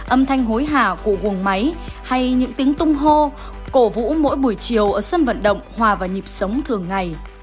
âm thanh hối hả của buồng máy hay những tiếng tung hô cổ vũ mỗi buổi chiều ở sân vận động hòa vào nhịp sống thường ngày